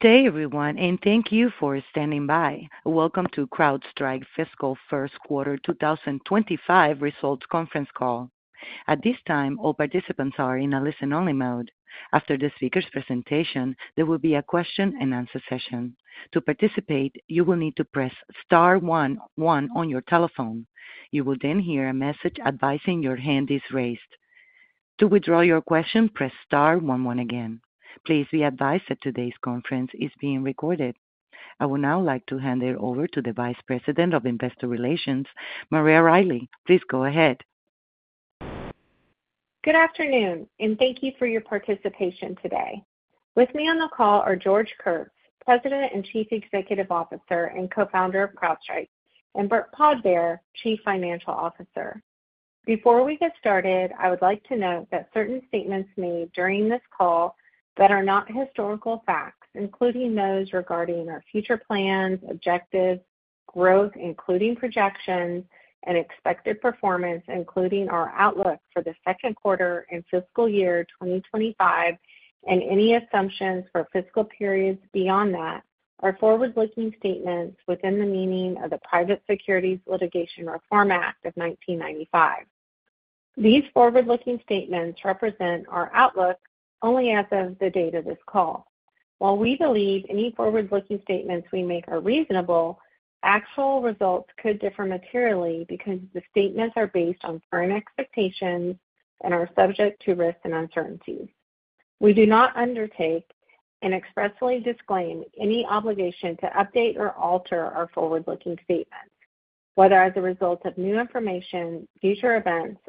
Good day everyone, and thank you for standing by. Welcome to CrowdStrike Fiscal First Quarter 2025 Results Conference Call. At this time, all participants are in a listen-only mode. After the speaker's presentation, there will be a question-and-answer session. To participate, you will need to press star one one on your telephone. You will then hear a message advising your hand is raised. To withdraw your question, press star one one again. Please be advised that today's conference is being recorded. I would now like to hand it over to the Vice President of Investor Relations, Maria Riley. Please go ahead. Good afternoon, and thank you for your participation today. With me on the call are George Kurtz, President and Chief Executive Officer and Co-founder of CrowdStrike, and Burt Podbere, Chief Financial Officer. Before we get started, I would like to note that certain statements made during this call that are not historical facts, including those regarding our future plans, objectives, growth, including projections and expected performance, including our outlook for the second quarter and fiscal year 2025, and any assumptions for fiscal periods beyond that, are forward-looking statements within the meaning of the Private Securities Litigation Reform Act of 1995. These forward-looking statements represent our outlook only as of the date of this call. While we believe any forward-looking statements we make are reasonable, actual results could differ materially because the statements are based on current expectations and are subject to risks and uncertainties. We do not undertake and expressly disclaim any obligation to update or alter our forward-looking statements, whether as a result of new information, future events,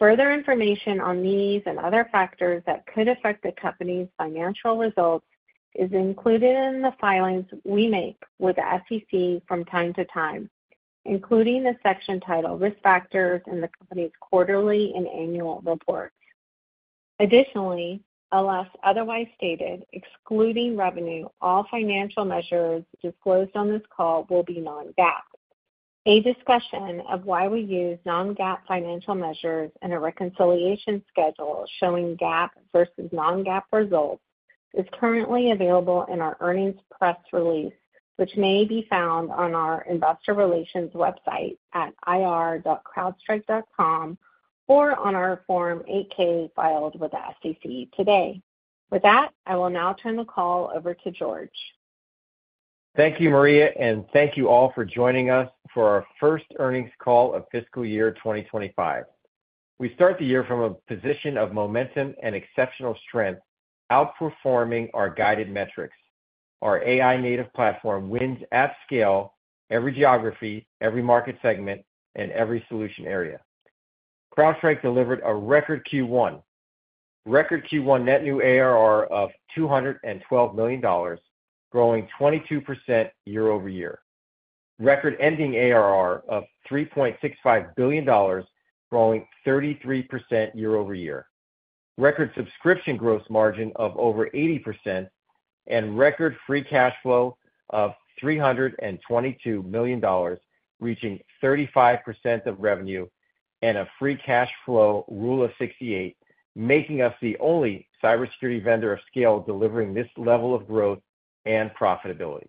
or otherwise. Further information on these and other factors that could affect the company's financial results is included in the filings we make with the SEC from time to time, including the section titled Risk Factors in the company's quarterly and annual report. Additionally, unless otherwise stated, excluding revenue, all financial measures disclosed on this call will be non-GAAP. A discussion of why we use non-GAAP financial measures and a reconciliation schedule showing GAAP versus non-GAAP results is currently available in our earnings press release, which may be found on our investor relations website at ir.crowdstrike.com, or on our Form 8-K filed with the SEC today. With that, I will now turn the call over to George. Thank you, Maria, and thank you all for joining us for our first earnings call of fiscal year 2025. We start the year from a position of momentum and exceptional strength, outperforming our guided metrics. Our AI-native platform wins at scale, every geography, every market segment, and every solution area. CrowdStrike delivered a record Q1. Record Q1 net new ARR of $212 million, growing 22% year-over-year. Record ending ARR of $3.65 billion, growing 33% year-over-year. Record subscription gross margin of over 80%, and record free cash flow of $322 million, reaching 35% of revenue and a free cash flow rule of 68, making us the only cybersecurity vendor of scale delivering this level of growth and profitability.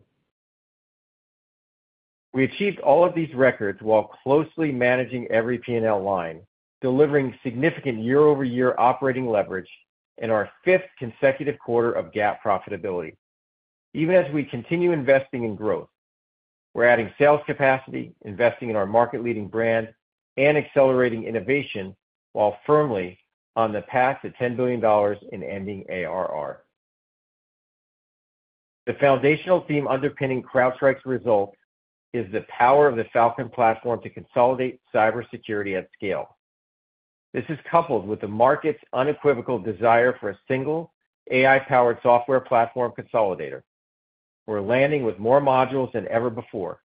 We achieved all of these records while closely managing every P&L line, delivering significant year-over-year operating leverage in our fifth consecutive quarter of GAAP profitability. Even as we continue investing in growth, we're adding sales capacity, investing in our market-leading brand, and accelerating innovation while firmly on the path to $10 billion in ending ARR. The foundational theme underpinning CrowdStrike's results is the power of Falcon platform to consolidate cybersecurity at scale. This is coupled with the market's unequivocal desire for a single AI-powered software platform consolidator. We're landing with more modules than ever before.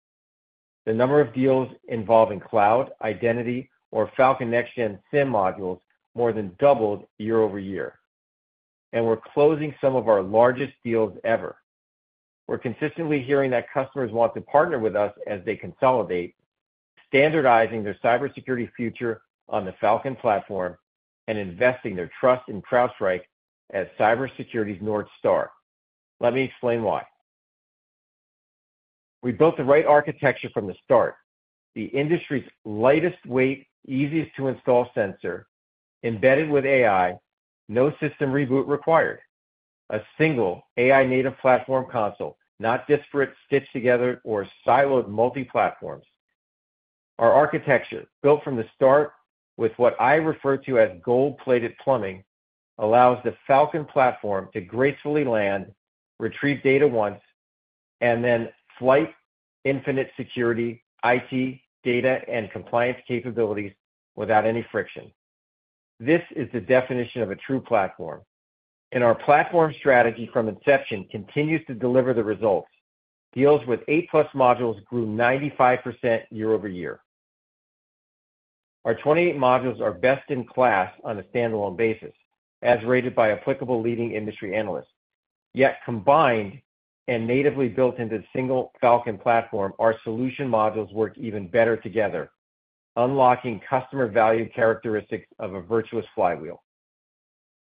The number of deals involving cloud, identity, or Falcon Next-Gen SIEM modules more than doubled year-over-year, and we're closing some of our largest deals ever. We're consistently hearing that customers want to partner with us as they consolidate, standardizing their cybersecurity future on Falcon platform and investing their trust in CrowdStrike as cybersecurity's North Star. Let me explain why. We built the right architecture from the start. The industry's lightest weight, easiest to install sensor, embedded with AI, no system reboot required. A single AI-native platform console, not disparate, stitched together, or siloed multi-platforms. Our architecture, built from the start with what I refer to as gold-plated plumbing, allows Falcon platform to gracefully land, retrieve data once, and then flight, infinite security, IT, data, and compliance capabilities without any friction. This is the definition of a true platform, and our platform strategy from inception continues to deliver the results. Deals with 8+ modules grew 95% year-over-year. Our 28 modules are best in class on a standalone basis, as rated by applicable leading industry analysts. Yet combined and natively built into the Falcon platform, our solution modules work even better together. unlocking customer value characteristics of a virtuous flywheel.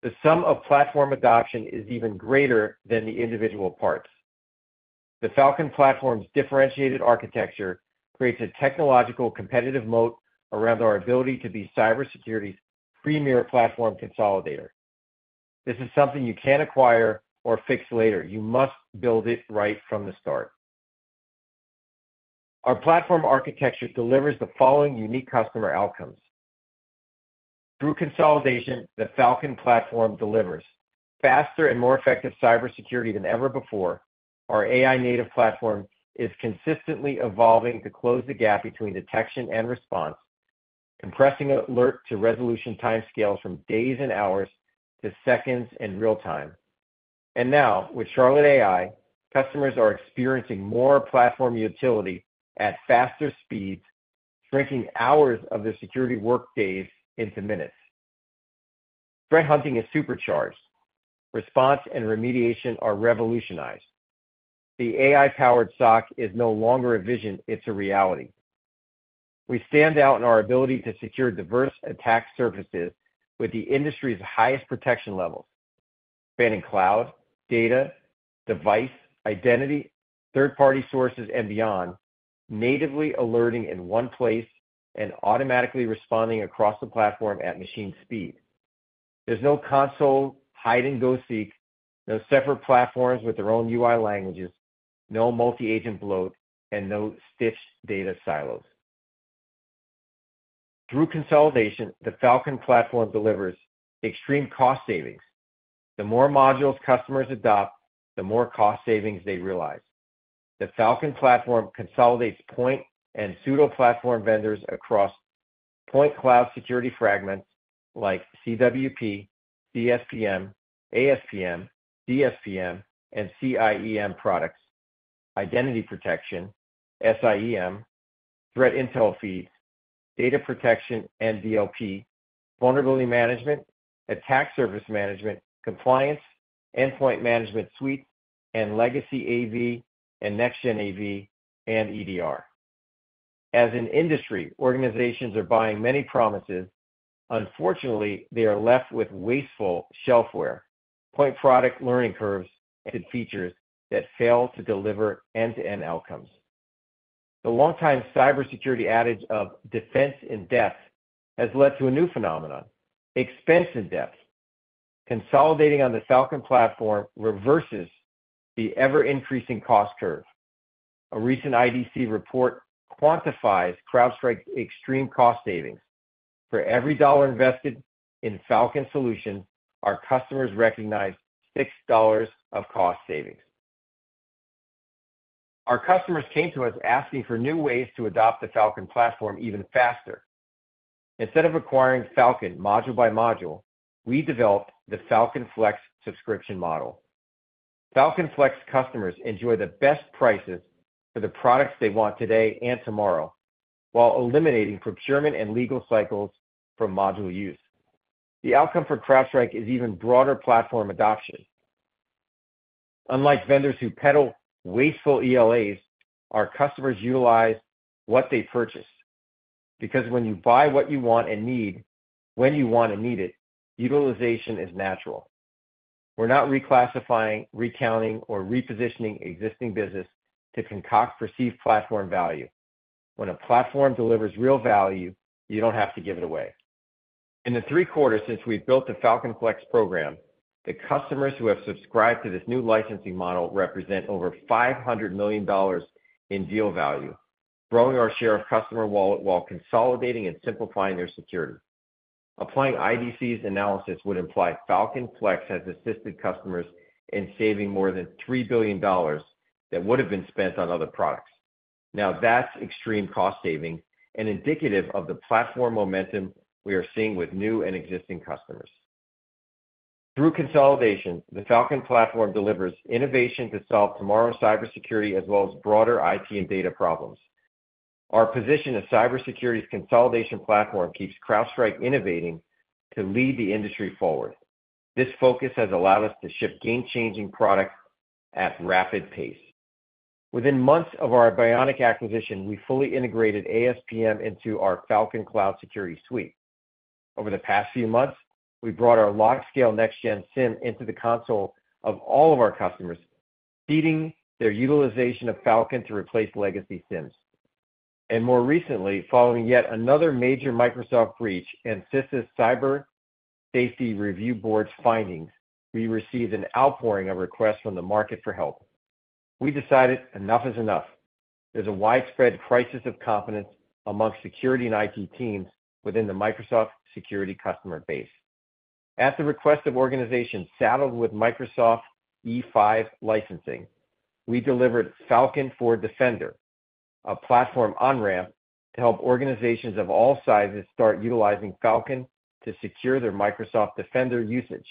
The sum of platform adoption is even greater than the individual parts. Falcon platform's differentiated architecture creates a technological competitive moat around our ability to be cybersecurity's premier platform consolidator. This is something you can't acquire or fix later. You must build it right from the start. Our platform architecture delivers the following unique customer outcomes. Through consolidation, Falcon platform delivers faster and more effective cybersecurity than ever before. Our AI-native platform is consistently evolving to close the gap between detection and response, compressing alert to resolution timescales from days and hours to seconds and real-time. Now, with Charlotte AI, customers are experiencing more platform utility at faster speeds, shrinking hours of their security workdays into minutes. Threat hunting is supercharged. Response and remediation are revolutionized. The AI-powered SOC is no longer a vision, it's a reality. We stand out in our ability to secure diverse attack surfaces with the industry's highest protection levels, spanning cloud, data, device, identity, third-party sources, and beyond, natively alerting in one place and automatically responding across the platform at machine speed. There's no console hide-and-go-seek, no separate platforms with their own UI languages, no multi-agent bloat, and no stitched data silos. Through consolidation, Falcon platform delivers extreme cost savings. The more modules customers adopt, the more cost savings they realize. Falcon platform consolidates point and pseudo-platform vendors across point cloud security fragments like CWP, CSPM, ASPM, DSPM, and CIEM products, identity protection, SIEM, threat intel feeds, data protection and DLP, vulnerability management, attack surface management, compliance, endpoint management suite, and legacy AV and next-gen AV and EDR. As an industry, organizations are buying many promises. Unfortunately, they are left with wasteful shelfware, point product learning curves, and features that fail to deliver end-to-end outcomes. The longtime cybersecurity adage of defense in depth has led to a new phenomenon, expense in depth. Consolidating on Falcon platform reverses the ever-increasing cost curve. A recent IDC report quantifies CrowdStrike's extreme cost savings. For every $1 invested in Falcon solutions, our customers recognize $6 of cost savings. Our customers came to us asking for new ways to adopt Falcon platform even faster. Instead of acquiring Falcon module by module, we developed the Falcon Flex subscription model. Falcon Flex customers enjoy the best prices for the products they want today and tomorrow, while eliminating procurement and legal cycles from module use. The outcome for CrowdStrike is even broader platform adoption. Unlike vendors who peddle wasteful ELAs, our customers utilize what they purchase, because when you buy what you want and need, when you want and need it, utilization is natural. We're not reclassifying, recounting, or repositioning existing business to concoct perceived platform value. When a platform delivers real value, you don't have to give it away. In the three quarters since we've built the Falcon Flex program, the customers who have subscribed to this new licensing model represent over $500 million in deal value, growing our share of customer wallet while consolidating and simplifying their security. Applying IDC's analysis would imply Falcon Flex has assisted customers in saving more than $3 billion that would have been spent on other products. Now, that's extreme cost saving and indicative of the platform momentum we are seeing with new and existing customers. Through consolidation, Falcon platform delivers innovation to solve tomorrow's cybersecurity, as well as broader IT and data problems. Our position as cybersecurity's consolidation platform keeps CrowdStrike innovating to lead the industry forward. This focus has allowed us to ship game-changing product at rapid pace. Within months of our Bionic acquisition, we fully integrated ASPM into our Falcon Cloud Security suite. Over the past few months, we brought our LogScale Next-Gen SIEM into the console of all of our customers, seeding their utilization of Falcon to replace legacy SIEMs. More recently, following yet another major Microsoft breach and CISA's Cyber Safety Review Board's findings, we received an outpouring of requests from the market for help. We decided enough is enough. There's a widespread crisis of confidence among security and IT teams within the Microsoft security customer base. At the request of organizations saddled with Microsoft E5 licensing, we delivered Falcon for Defender, a platform on-ramp to help organizations of all sizes start utilizing Falcon to secure their Microsoft Defender usage.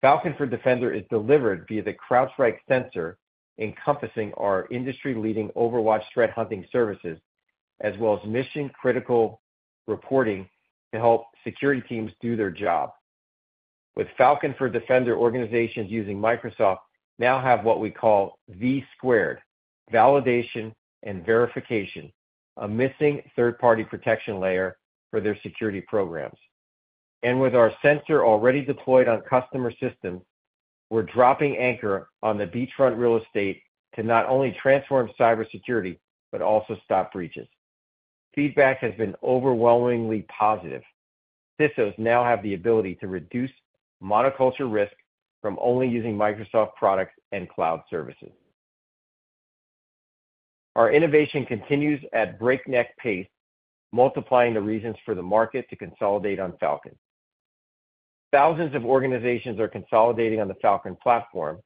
Falcon for Defender is delivered via the CrowdStrike sensor, encompassing our industry-leading OverWatch threat hunting services, as well as mission-critical reporting to help security teams do their job. With Falcon for Defender, organizations using Microsoft now have what we call V squared, validation and verification, a missing third-party protection layer for their security programs. With our sensor already deployed on customer systems, we're dropping anchor on the beachfront real estate to not only transform cybersecurity, but also stop breaches. Feedback has been overwhelmingly positive. CISOs now have the ability to reduce monoculture risk from only using Microsoft products and cloud services. Our innovation continues at breakneck pace, multiplying the reasons for the market to consolidate on Falcon. Thousands of organizations are consolidating on Falcon platform.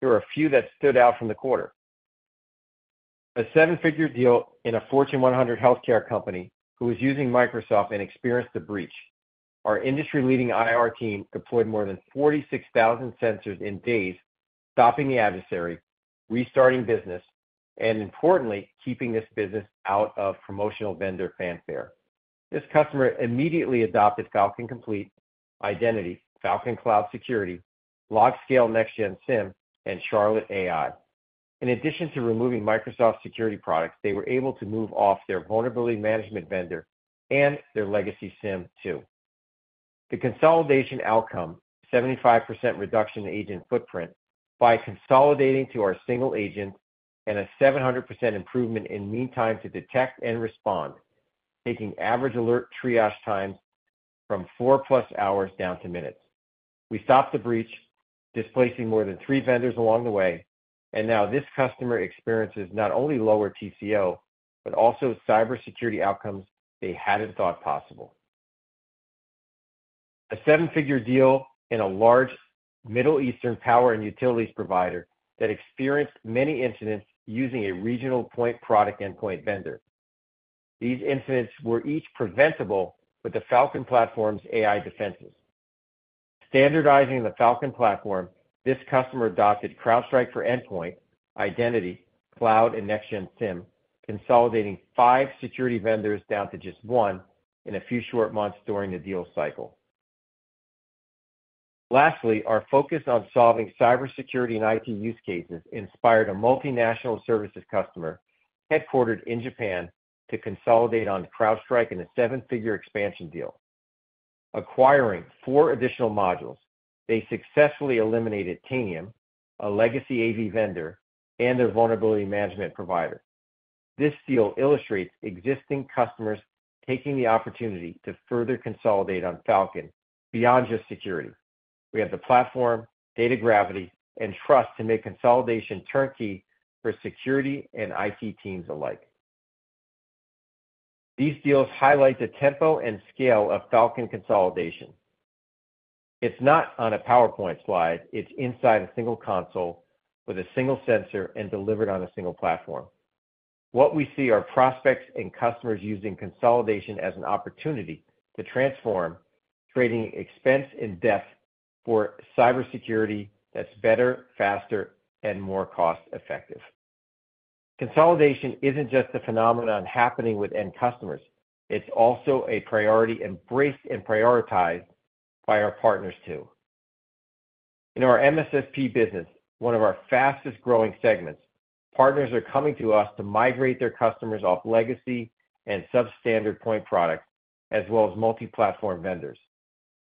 there are a few that stood out from the quarter. A seven-figure deal in a Fortune 100 healthcare company who was using Microsoft and experienced a breach. Our industry-leading IR team deployed more than 46,000 sensors in days, stopping the adversary, restarting business, and importantly, keeping this business out of promotional vendor fanfare. This customer immediately adopted Falcon Complete Identity, Falcon Cloud Security, LogScale Next-Gen SIEM, and Charlotte AI. In addition to removing Microsoft security products, they were able to move off their vulnerability management vendor and their legacy SIEM, too. The consolidation outcome, 75% reduction in agent footprint by consolidating to our single agent and a 700% improvement in mean time to detect and respond, taking average alert triage time from 4+ hours down to minutes. We stopped the breach, displacing more than three vendors along the way, and now this customer experiences not only lower TCO, but also cybersecurity outcomes they hadn't thought possible. A seven-figure deal in a large Middle East power and utilities provider that experienced many incidents using a regional point product endpoint vendor. These incidents were each preventable with Falcon platform's AI defenses. Standardizing Falcon platform, this customer adopted CrowdStrike for endpoint, identity, cloud, and next-gen SIEM, consolidating five security vendors down to just one in a few short months during the deal cycle. Lastly, our focus on solving cybersecurity and IT use cases inspired a multinational services customer, headquartered in Japan, to consolidate on CrowdStrike in a seven-figure expansion deal. Acquiring four additional modules, they successfully eliminated Tanium, a legacy AV vendor, and their vulnerability management provider. This deal illustrates existing customers taking the opportunity to further consolidate on Falcon beyond just security. We have the platform, data gravity, and trust to make consolidation turnkey for security and IT teams alike. These deals highlight the tempo and scale of Falcon consolidation. It's not on a PowerPoint slide, it's inside a single console with a single sensor and delivered on a single platform. What we see are prospects and customers using consolidation as an opportunity to transform, creating expense and depth for cybersecurity that's better, faster, and more cost-effective. Consolidation isn't just a phenomenon happening with end customers. It's also a priority embraced and prioritized by our partners, too. In our MSSP business, one of our fastest-growing segments, partners are coming to us to migrate their customers off legacy and substandard point products, as well as multi-platform vendors.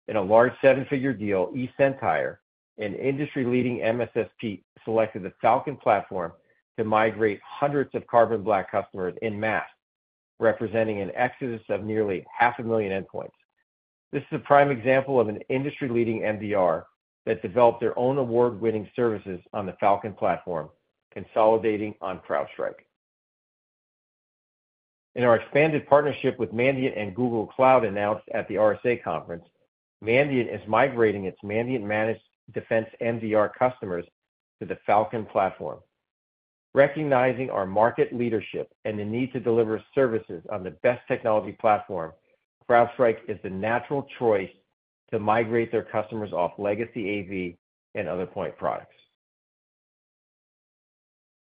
In a large seven-figure deal, eSentire, an industry-leading MSSP, selected Falcon platform to migrate hundreds of Carbon Black customers en masse, representing an exodus of nearly 500,000 endpoints. This is a prime example of an industry-leading MDR that developed their own award-winning services on Falcon platform, consolidating on CrowdStrike. In our expanded partnership with Mandiant and Google Cloud, announced at the RSA Conference, Mandiant is migrating its Mandiant Managed Defense MDR customers to Falcon platform. recognizing our market leadership and the need to deliver services on the best technology platform, CrowdStrike is the natural choice to migrate their customers off legacy AV and other point products.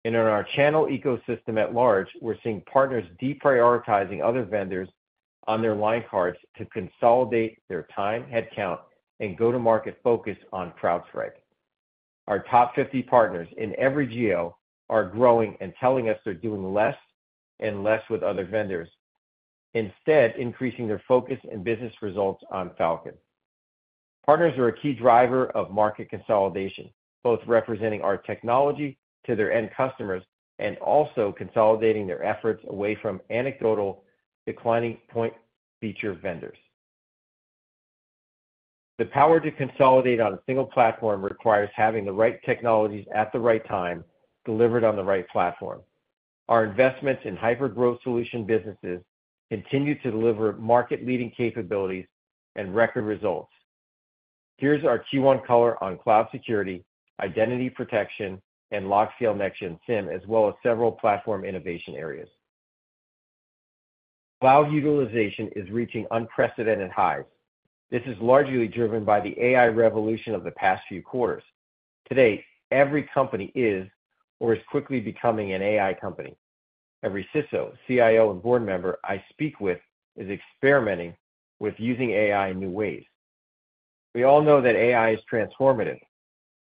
In our channel ecosystem at large, we're seeing partners deprioritizing other vendors on their line cards to consolidate their time, headcount, and go-to-market focus on CrowdStrike. Our top fifty partners in every geo are growing and telling us they're doing less and less with other vendors, instead increasing their focus and business results on Falcon. Partners are a key driver of market consolidation, both representing our technology to their end customers and also consolidating their efforts away from anecdotal, declining point feature vendors. The power to consolidate on a single platform requires having the right technologies at the right time, delivered on the right platform. Our investments in hypergrowth solution businesses continue to deliver market-leading capabilities and record results. Here's our Q1 color on cloud security, identity protection, and LogScale Next-Gen SIEM, as well as several platform innovation areas. Cloud utilization is reaching unprecedented highs. This is largely driven by the AI revolution of the past few quarters. Today, every company is or is quickly becoming an AI company.... Every CISO, CIO, and board member I speak with is experimenting with using AI in new ways. We all know that AI is transformative,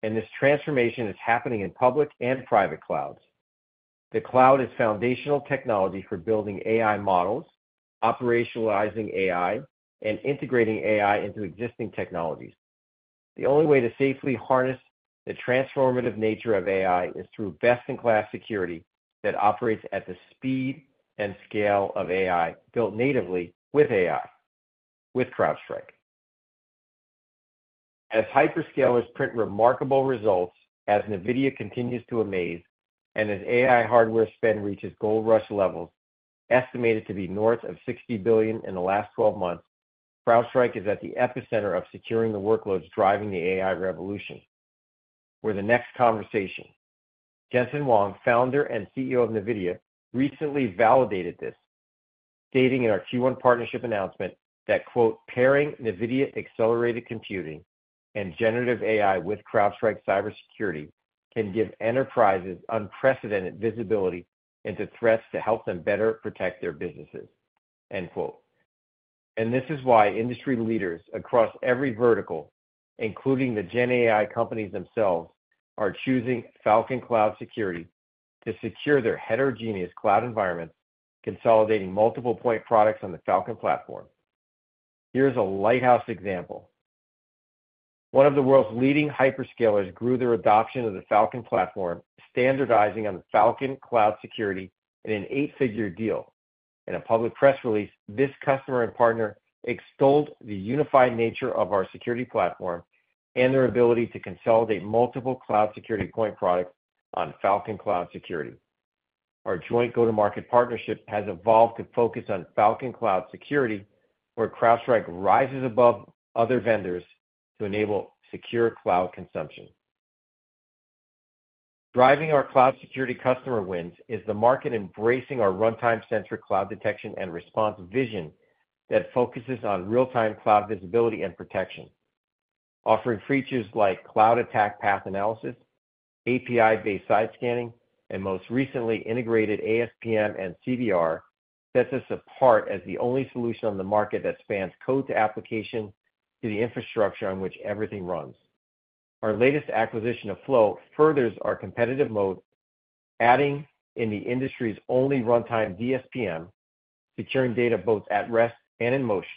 and this transformation is happening in public and private clouds. The cloud is foundational technology for building AI models, operationalizing AI, and integrating AI into existing technologies. The only way to safely harness the transformative nature of AI is through best-in-class security that operates at the speed and scale of AI, built natively with AI, with CrowdStrike. As hyperscalers print remarkable results, as NVIDIA continues to amaze, and as AI hardware spend reaches gold rush levels, estimated to be north of $60 billion in the last 12 months, CrowdStrike is at the epicenter of securing the workloads, driving the AI revolution. We're the next conversation. Jensen Huang, founder and CEO of NVIDIA, recently validated this, stating in our Q1 partnership announcement that, quote, "Pairing NVIDIA-accelerated computing and generative AI with CrowdStrike cybersecurity can give enterprises unprecedented visibility into threats to help them better protect their businesses," end quote. This is why industry leaders across every vertical, including the GenAI companies themselves, are choosing Falcon Cloud Security to secure their heterogeneous cloud environments, consolidating multiple point products on Falcon platform. here's a lighthouse example. One of the world's leading hyperscalers grew their adoption of Falcon platform, standardizing on Falcon Cloud Security in an eight-figure deal. In a public press release, this customer and partner extolled the unified nature of our security platform and their ability to consolidate multiple cloud security point products on Falcon Cloud Security. Our joint go-to-market partnership has evolved to focus on Falcon Cloud Security, where CrowdStrike rises above other vendors to enable secure cloud consumption. Driving our cloud security customer wins is the market embracing our runtime-centric cloud detection and response vision that focuses on real-time cloud visibility and protection. Offering features like cloud attack path analysis, API-based side scanning, and most recently, integrated ASPM and CDR, sets us apart as the only solution on the market that spans code to application to the infrastructure on which everything runs. Our latest acquisition of Flow furthers our competitive moat, adding in the industry's only runtime DSPM, securing data both at rest and in motion.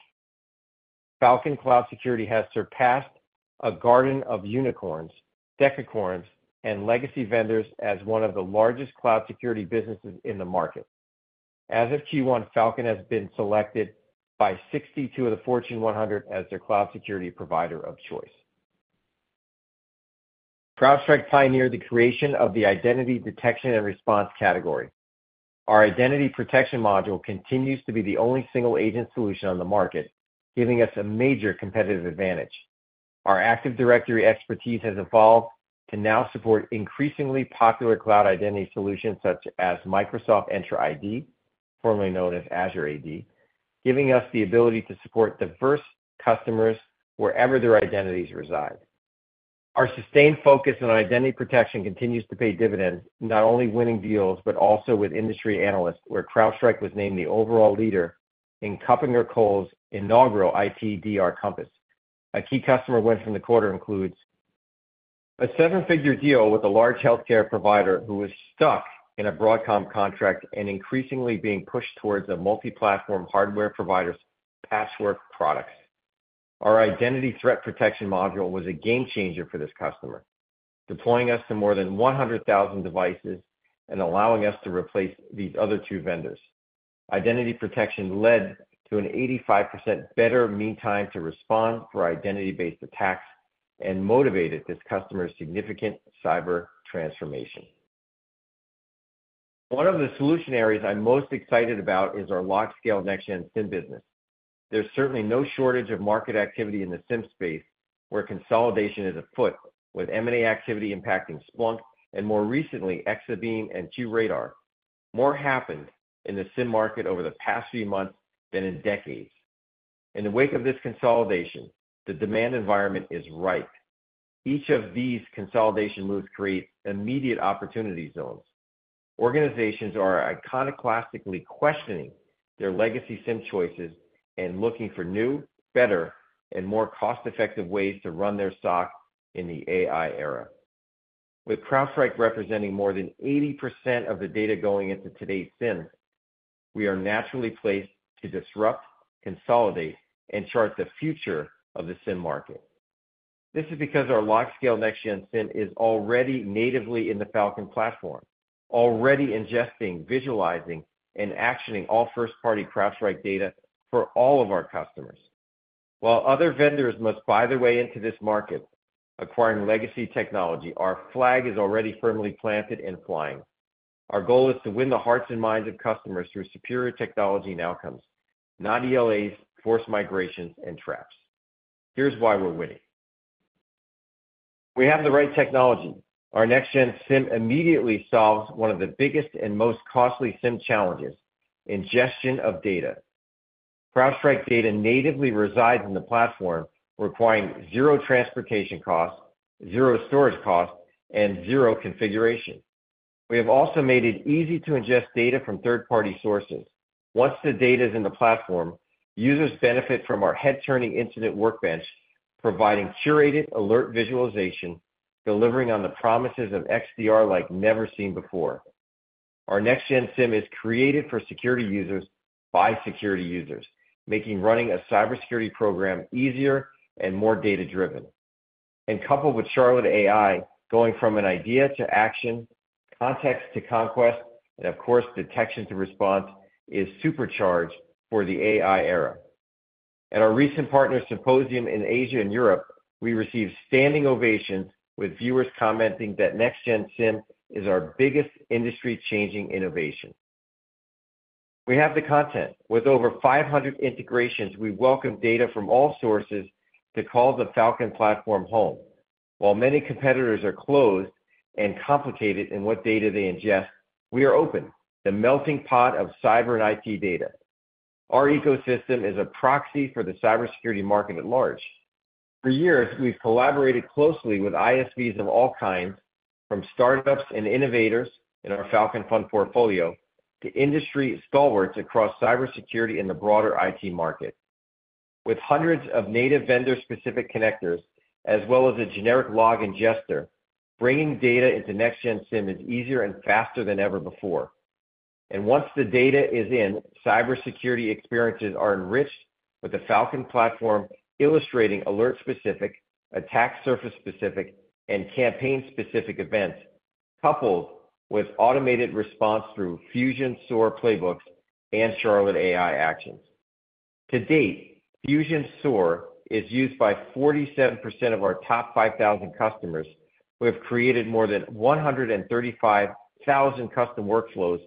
Falcon Cloud Security has surpassed a garden of unicorns, decacorns, and legacy vendors as one of the largest cloud security businesses in the market. As of Q1, Falcon has been selected by 62 of the Fortune 100 as their cloud security provider of choice. CrowdStrike pioneered the creation of the identity detection and response category. Our identity protection module continues to be the only single-agent solution on the market, giving us a major competitive advantage. Our Active Directory expertise has evolved to now support increasingly popular cloud identity solutions, such as Microsoft Entra ID, formerly known as Azure AD, giving us the ability to support diverse customers wherever their identities reside. Our sustained focus on identity protection continues to pay dividends, not only winning deals, but also with industry analysts, where CrowdStrike was named the overall leader in KuppingerCole's inaugural ITDR Compass. A key customer win from the quarter includes a seven-figure deal with a large healthcare provider who was stuck in a Broadcom contract and increasingly being pushed towards a multi-platform hardware provider's patchwork products. Our identity threat protection module was a game changer for this customer, deploying us to more than 100,000 devices and allowing us to replace these other two vendors. Identity protection led to an 85% better meantime to respond for identity-based attacks and motivated this customer's significant cyber transformation. One of the solution areas I'm most excited about is our LogScale Next-Gen SIEM business. There's certainly no shortage of market activity in the SIEM space, where consolidation is afoot, with M&A activity impacting Splunk and more recently, Exabeam and QRadar. More happened in the SIEM market over the past few months than in decades. In the wake of this consolidation, the demand environment is ripe. Each of these consolidation moves create immediate opportunity zones. Organizations are iconoclastically questioning their legacy SIEM choices and looking for new, better, and more cost-effective ways to run their SOC in the AI era. With CrowdStrike representing more than 80% of the data going into today's SIEM, we are naturally placed to disrupt, consolidate, and chart the future of the SIEM market. This is because our LogScale Next-Gen SIEM is already natively in Falcon platform, already ingesting, visualizing, and actioning all first-party CrowdStrike data for all of our customers. While other vendors must buy their way into this market, acquiring legacy technology, our flag is already firmly planted and flying. Our goal is to win the hearts and minds of customers through superior technology and outcomes, not ELAs, forced migrations, and traps. Here's why we're winning. We have the right technology. Our Next-Gen SIEM immediately solves one of the biggest and most costly SIEM challenges, ingestion of data... CrowdStrike data natively resides in the platform, requiring zero transportation costs, zero storage costs, and zero configuration. We have also made it easy to ingest data from third-party sources. Once the data is in the platform, users benefit from our head-turning incident workbench, providing curated alert visualization, delivering on the promises of XDR like never seen before. Our Next-Gen SIEM is created for security users by security users, making running a cybersecurity program easier and more data-driven. Coupled with Charlotte AI, going from an idea to action, context to conquest, and of course, detection to response, is supercharged for the AI era. At our recent partner symposium in Asia and Europe, we received standing ovations, with viewers commenting that Next-Gen SIEM is our biggest industry-changing innovation. We have the content. With over 500 integrations, we welcome data from all sources to call Falcon platform home. While many competitors are closed and complicated in what data they ingest, we are open, the melting pot of cyber and IT data. Our ecosystem is a proxy for the cybersecurity market at large. For years, we've collaborated closely with ISVs of all kinds, from startups and innovators in our Falcon Fund portfolio, to industry stalwarts across cybersecurity in the broader IT market. With hundreds of native vendor-specific connectors, as well as a generic log ingester, bringing data into Next-Gen SIEM is easier and faster than ever before. Once the data is in, cybersecurity experiences are enriched, with Falcon platform illustrating alert-specific, attack surface-specific, and campaign-specific events, coupled with automated response through Fusion SOAR playbooks and Charlotte AI actions. To date, Fusion SOAR is used by 47% of our top 5,000 customers, who have created more than 135,000 custom workflows,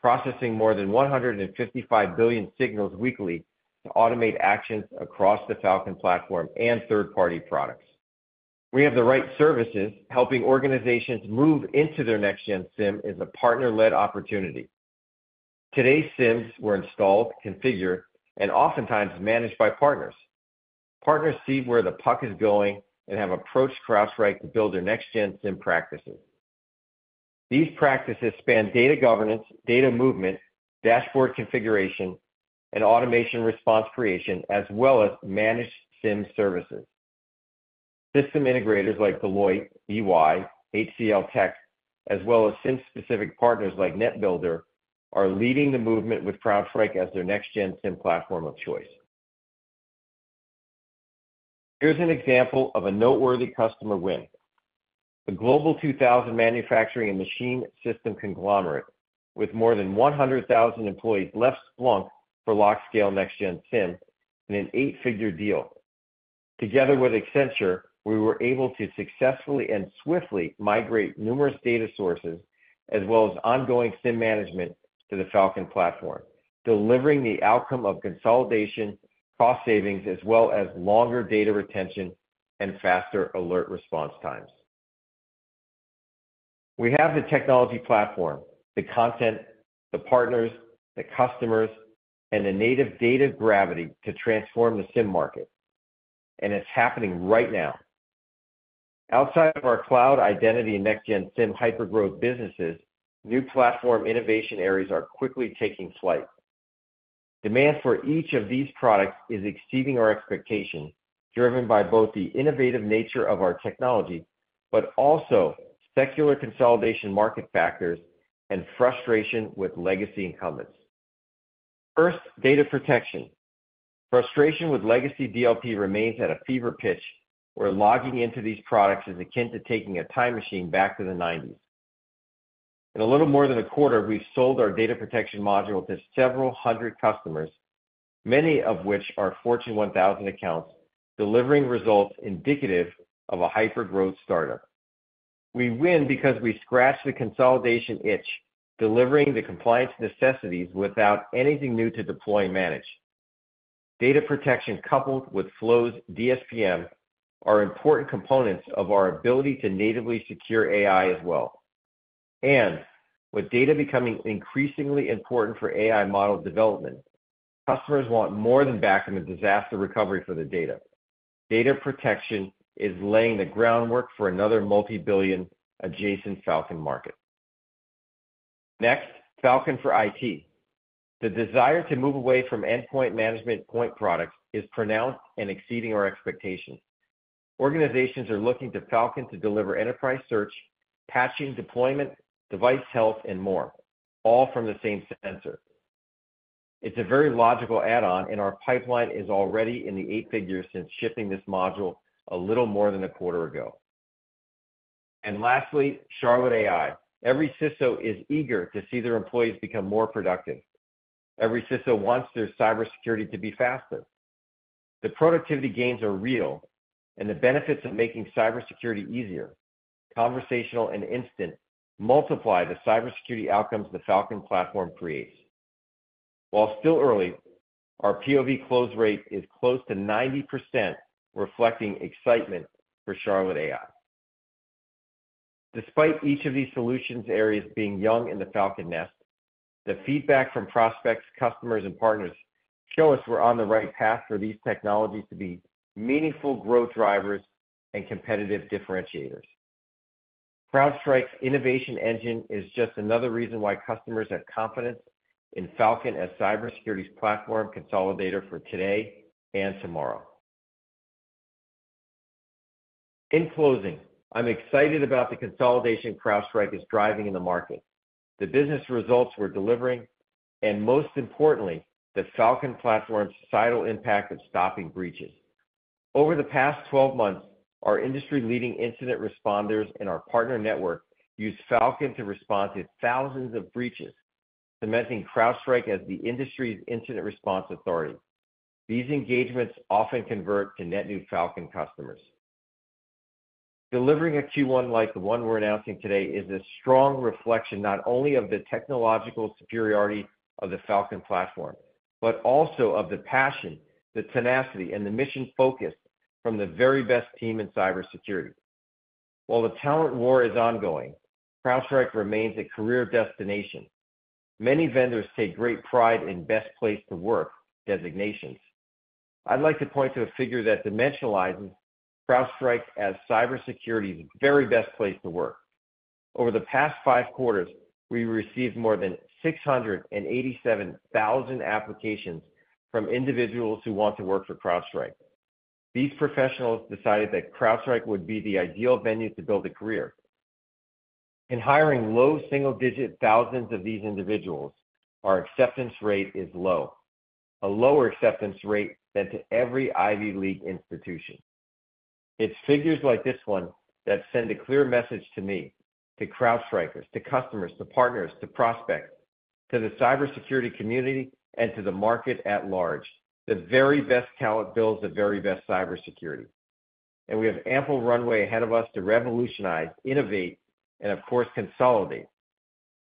processing more than 155 billion signals weekly to automate actions across Falcon platform and third-party products. We have the right services. Helping organizations move into their next-gen SIEM is a partner-led opportunity. Today's SIEMs were installed, configured, and oftentimes managed by partners. Partners see where the puck is going and have approached CrowdStrike to build their next-gen SIEM practices. These practices span data governance, data movement, dashboard configuration, and automation response creation, as well as managed SIEM services. System integrators like Deloitte, EY, HCLTech, as well as SIEM-specific partners like NETbuilder, are leading the movement with CrowdStrike as their next-gen SIEM platform of choice. Here's an example of a noteworthy customer win. The Global 2000 manufacturing and machine system conglomerate, with more than 100,000 employees, left Splunk for LogScale next-gen SIEM in an eight-figure deal. Together with Accenture, we were able to successfully and swiftly migrate numerous data sources, as well as ongoing SIEM management to Falcon platform, delivering the outcome of consolidation, cost savings, as well as longer data retention and faster alert response times. We have the technology platform, the content, the partners, the customers, and the native data gravity to transform the SIEM market, and it's happening right now. Outside of our cloud identity and next-gen SIEM hypergrowth businesses, new platform innovation areas are quickly taking flight. Demand for each of these products is exceeding our expectations, driven by both the innovative nature of our technology, but also secular consolidation market factors and frustration with legacy incumbents. First, data protection. Frustration with legacy DLP remains at a fever pitch, where logging into these products is akin to taking a time machine back to the nineties. In a little more than a quarter, we've sold our data protection module to several hundred customers, many of which are Fortune 1000 accounts, delivering results indicative of a hypergrowth startup. We win because we scratch the consolidation itch, delivering the compliance necessities without anything new to deploy and manage. Data protection, coupled with Flow's DSPM, are important components of our ability to natively secure AI as well. And with data becoming increasingly important for AI model development, customers want more than backing and disaster recovery for their data. Data protection is laying the groundwork for another multi-billion adjacent Falcon market. Next, Falcon for IT. The desire to move away from endpoint management point products is pronounced and exceeding our expectations. Organizations are looking to Falcon to deliver enterprise search, patching, deployment, device health, and more, all from the same sensor. It's a very logical add-on, and our pipeline is already in the eight figures since shipping this module a little more than a quarter ago. And lastly, Charlotte AI. Every CISO is eager to see their employees become more productive. Every CISO wants their cybersecurity to be faster. The productivity gains are real, and the benefits of making cybersecurity easier, conversational, and instant, multiply the cybersecurity outcomes Falcon platform creates. While still early, our POV close rate is close to 90%, reflecting excitement for Charlotte AI. Despite each of these solutions areas being young in the Falcon Nest, the feedback from prospects, customers, and partners show us we're on the right path for these technologies to be meaningful growth drivers and competitive differentiators. CrowdStrike's innovation engine is just another reason why customers have confidence in Falcon as cybersecurity's platform consolidator for today and tomorrow. In closing, I'm excited about the consolidation CrowdStrike is driving in the market, the business results we're delivering, and most importantly, Falcon platform's societal impact of stopping breaches. Over the past 12 months, our industry-leading incident responders and our partner network used Falcon to respond to thousands of breaches, cementing CrowdStrike as the industry's incident response authority. These engagements often convert to net new Falcon customers. Delivering a Q1 like the one we're announcing today is a strong reflection, not only of the technological superiority of Falcon platform, but also of the passion, the tenacity, and the mission focus from the very best team in cybersecurity. While the talent war is ongoing, CrowdStrike remains a career destination. Many vendors take great pride in best place to work designations. I'd like to point to a figure that dimensionalizes CrowdStrike as cybersecurity's very best place to work. Over the past 5 quarters, we received more than 687,000 applications from individuals who want to work for CrowdStrike. These professionals decided that CrowdStrike would be the ideal venue to build a career. In hiring low single-digit thousands of these individuals, our acceptance rate is low, a lower acceptance rate than to every Ivy League institution. It's figures like this one that send a clear message to me, to CrowdStrikers, to customers, to partners, to prospects, to the cybersecurity community, and to the market at large, the very best talent builds the very best cybersecurity, and we have ample runway ahead of us to revolutionize, innovate, and, of course, consolidate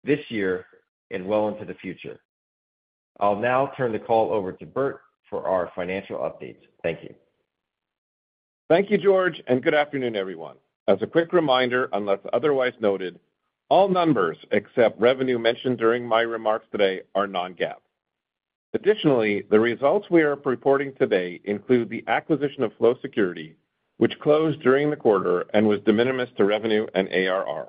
this year and well into the future. I'll now turn the call over to Burt for our financial updates. Thank you. Thank you, George, and good afternoon, everyone. As a quick reminder, unless otherwise noted, all numbers except revenue mentioned during my remarks today are non-GAAP. Additionally, the results we are reporting today include the acquisition of Flow Security, which closed during the quarter and was de minimis to revenue and ARR.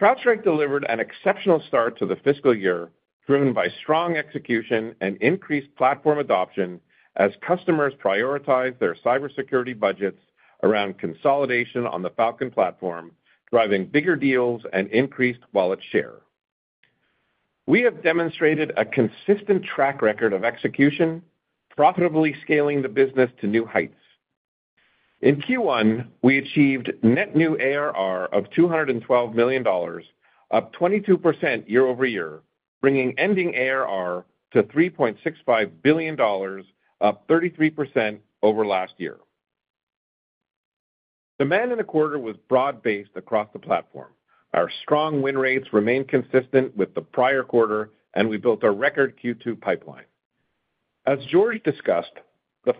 CrowdStrike delivered an exceptional start to the fiscal year, driven by strong execution and increased platform adoption as customers prioritize their cybersecurity budgets around consolidation on Falcon platform, driving bigger deals and increased wallet share. We have demonstrated a consistent track record of execution, profitably scaling the business to new heights. In Q1, we achieved net new ARR of $212 million, up 22% year-over-year, bringing ending ARR to $3.65 billion, up 33% over last year. Demand in the quarter was broad-based across the platform. Our strong win rates remained consistent with the prior quarter, and we built a record Q2 pipeline. As George discussed,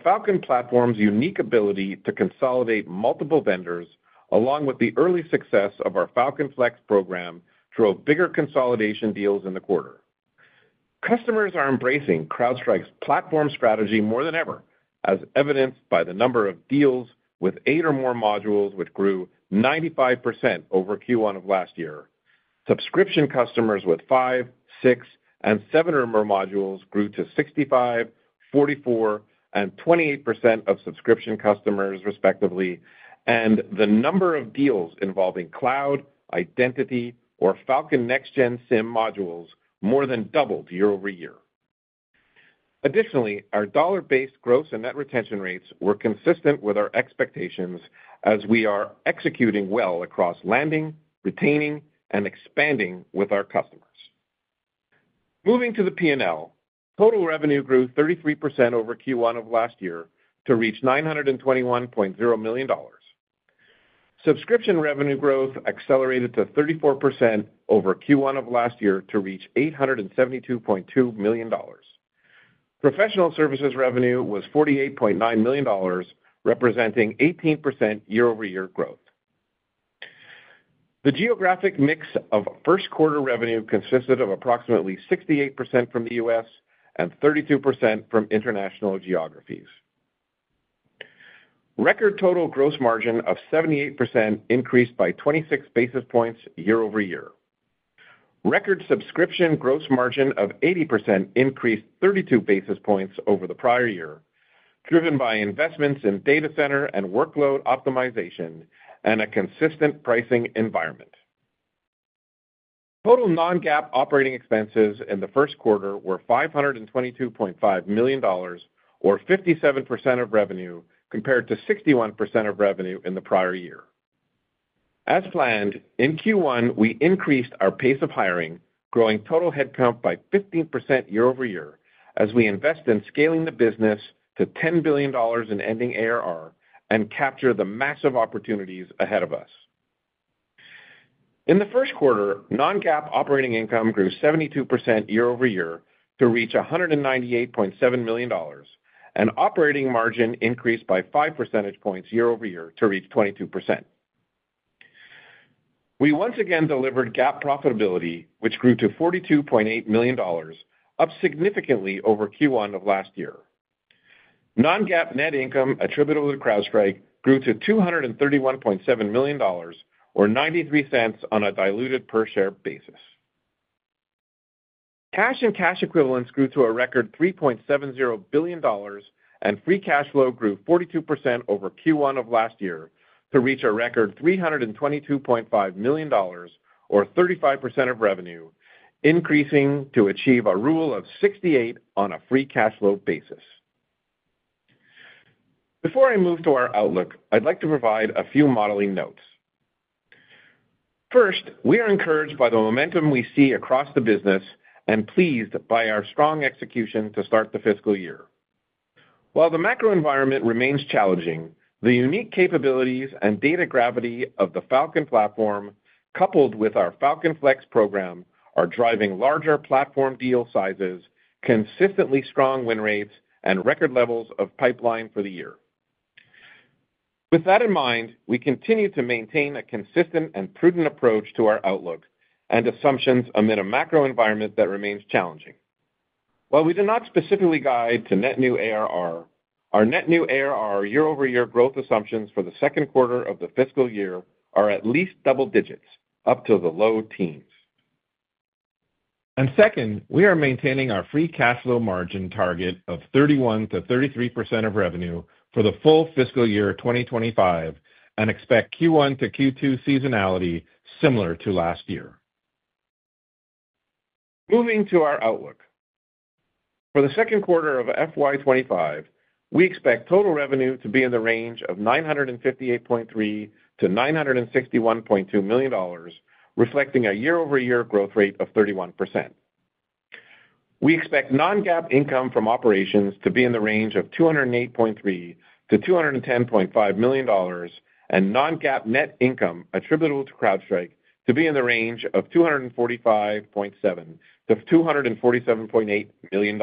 Falcon platform's unique ability to consolidate multiple vendors, along with the early success of our Falcon Flex program, drove bigger consolidation deals in the quarter. Customers are embracing CrowdStrike's platform strategy more than ever, as evidenced by the number of deals with 8 or more modules, which grew 95% over Q1 of last year. Subscription customers with 5, 6, and 7 or more modules grew to 65%, 44%, and 28% of subscription customers, respectively, and the number of deals involving cloud, identity, or Falcon Next-Gen SIEM modules more than doubled year-over-year. Additionally, our dollar-based gross and net retention rates were consistent with our expectations as we are executing well across landing, retaining, and expanding with our customers. Moving to the P&L, total revenue grew 33% over Q1 of last year to reach $921.0 million. Subscription revenue growth accelerated to 34% over Q1 of last year to reach $872.2 million. Professional services revenue was $48.9 million, representing 18% year-over-year growth. The geographic mix of first quarter revenue consisted of approximately 68% from the U.S. and 32% from international geographies. Record total gross margin of 78% increased by 26 basis points year-over-year. Record subscription gross margin of 80% increased 32 basis points over the prior year, driven by investments in data center and workload optimization and a consistent pricing environment. Total non-GAAP operating expenses in the first quarter were $522.5 million, or 57% of revenue, compared to 61% of revenue in the prior year. As planned, in Q1, we increased our pace of hiring, growing total headcount by 15% year-over-year, as we invest in scaling the business to $10 billion in ending ARR and capture the massive opportunities ahead of us. In the first quarter, non-GAAP operating income grew 72% year-over-year to reach $198.7 million, and operating margin increased by 5 percentage points year-over-year to reach 22%. We once again delivered GAAP profitability, which grew to $42.8 million, up significantly over Q1 of last year. Non-GAAP net income attributable to CrowdStrike grew to $231.7 million, or $0.93 on a diluted per share basis. Cash and cash equivalents grew to a record $3.70 billion, and free cash flow grew 42% over Q1 of last year to reach a record $322.5 million, or 35% of revenue, increasing to achieve a rule of 68 on a free cash flow basis. Before I move to our outlook, I'd like to provide a few modeling notes. First, we are encouraged by the momentum we see across the business and pleased by our strong execution to start the fiscal year. While the macro environment remains challenging, the unique capabilities and data gravity of Falcon platform, coupled with our Falcon Flex program, are driving larger platform deal sizes, consistently strong win rates, and record levels of pipeline for the year. With that in mind, we continue to maintain a consistent and prudent approach to our outlook and assumptions amid a macro environment that remains challenging. While we do not specifically guide to net new ARR, our net new ARR year-over-year growth assumptions for the second quarter of the fiscal year are at least double digits, up to the low teens. And second, we are maintaining our free cash flow margin target of 31%-33% of revenue for the full fiscal year of 2025, and expect Q1 to Q2 seasonality similar to last year. Moving to our outlook. For the second quarter of FY 2025, we expect total revenue to be in the range of $958.3 million-$961.2 million, reflecting a year-over-year growth rate of 31%. We expect non-GAAP income from operations to be in the range of $208.3 million-$210.5 million, and non-GAAP net income attributable to CrowdStrike to be in the range of $245.7 million-$247.8 million.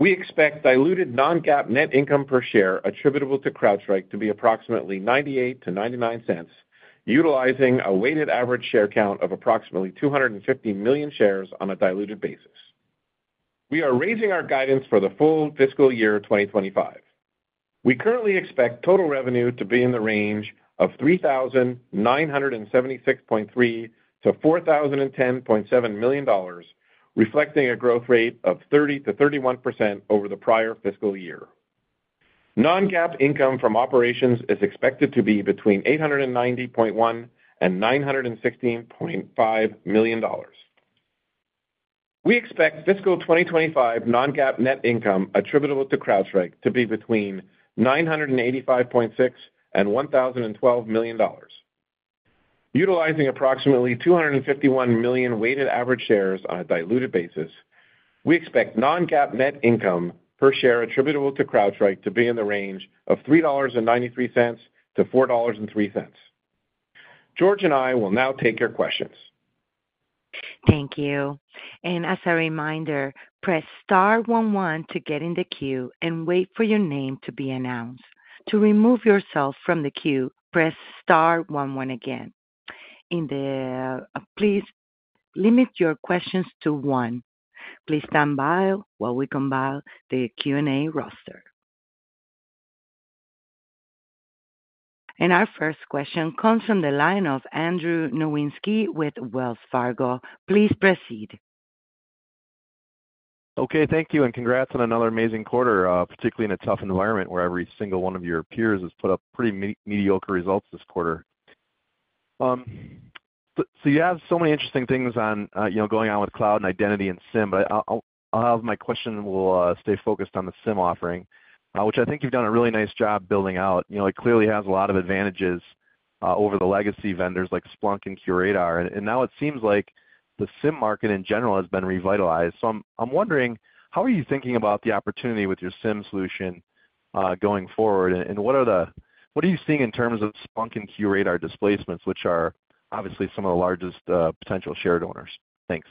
We expect diluted non-GAAP net income per share attributable to CrowdStrike to be approximately $0.98-$0.99, utilizing a weighted average share count of approximately 250 million shares on a diluted basis. We are raising our guidance for the full fiscal year of 2025. We currently expect total revenue to be in the range of $3,976.3 million-$4,010.7 million, reflecting a growth rate of 30%-31% over the prior fiscal year. Non-GAAP income from operations is expected to be between $890.1 million-$916.5 million. We expect fiscal 2025 non-GAAP net income attributable to CrowdStrike to be between $985.6 million-$1,012 million. Utilizing approximately 251 million weighted average shares on a diluted basis, we expect non-GAAP net income per share attributable to CrowdStrike to be in the range of $3.93-$4.03. George and I will now take your questions. Thank you. As a reminder, press star one one to get in the queue and wait for your name to be announced. To remove yourself from the queue, press star one one again. Please limit your questions to one. Please stand by while we compile the Q&A roster. Our first question comes from the line of Andrew Nowinski with Wells Fargo. Please proceed. Okay, thank you, and congrats on another amazing quarter, particularly in a tough environment where every single one of your peers has put up pretty mediocre results this quarter. So you have so many interesting things going on, you know, with cloud and identity and SIEM, but I'll have my question stay focused on the SIEM offering, which I think you've done a really nice job building out. You know, it clearly has a lot of advantages over the legacy vendors like Splunk and QRadar, and now it seems like the SIEM market in general has been revitalized. So I'm wondering, how are you thinking about the opportunity with your SIEM solution going forward? What are you seeing in terms of Splunk and QRadar displacements, which are obviously some of the largest potential shared owners? Thanks.